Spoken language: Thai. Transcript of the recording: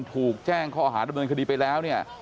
ถูกแจ้งข้อหาดำเนินคดีไปแล้วเนี่ย